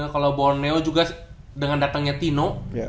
kalau borneo juga dengan datangnya tino